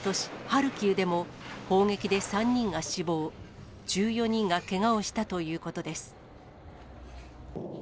ハルキウでも、砲撃で３人が死亡、１４人がけがをしたということです。